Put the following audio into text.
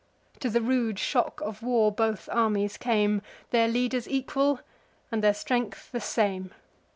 To the rude shock of war both armies came; Their leaders equal, and their strength the same.